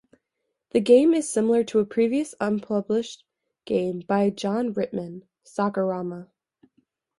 The game is similar to a previous unpublished game by Jon Ritman, "Soccerama".